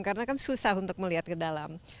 karena kan susah untuk melihat ke dalam